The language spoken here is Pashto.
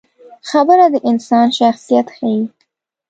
خبره د انسان شخصیت ښيي.